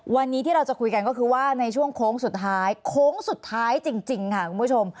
วันนี้ที่เราจะคุยกันก็คือว่าในช่วงโค้งสุดท้ายโค้งสุดท้ายจริงค่ะคุณผู้ชม